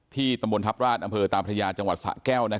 ตำบลทัพราชอำเภอตาพระยาจังหวัดสะแก้ว